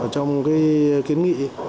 trong cái kiến nghị